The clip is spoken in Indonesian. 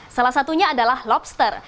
salah satunya adalah lobster